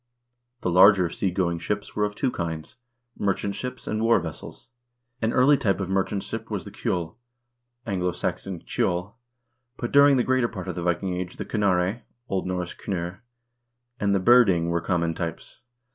The larger sea going ships were of two kinds: merchant ships and war vessels. An early type of merchant ship was the kjdll (A. S. cedl), but during the greater part of the Viking Age the knarre (0. N. kndrr) and the byrding were common types.